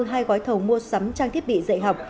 hai gói thầu mua sắm trang thiết bị dạy học